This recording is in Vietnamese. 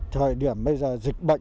thời điểm bây giờ dịch bệnh